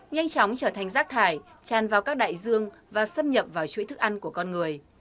nhanh chóng trở thành rác thải tràn vào các đại dương và xâm nhập vào chuỗi thức ăn của con người